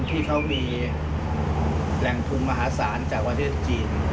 ที่เขามีแหล่งทุนมหาศาลจากประเทศจีน